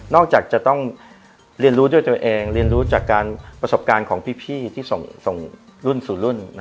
จากจะต้องเรียนรู้ด้วยตัวเองเรียนรู้จากการประสบการณ์ของพี่ที่ส่งรุ่นสู่รุ่น